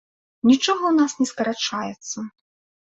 Нічога ў нас не скарачаецца!